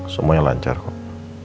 semuanya lancar kok